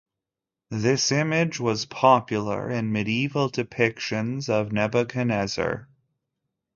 This image was popular in medieval depictions of Nebuchadnezzar.